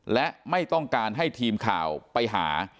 และไม่ต้องการให้ทีมข่าวไปหา